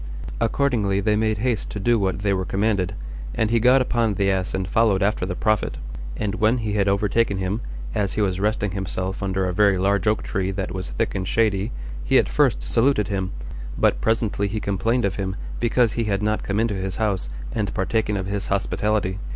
Accordingly they made haste to do what they were commanded, and he got upon the ass and followed after the prophet; and when he had overtaken him, as he was resting himself under a very large oak tree that was thick and shady, he at first saluted him, but presently he complained of him, because he had not come into his house, and partaken of his hospitality.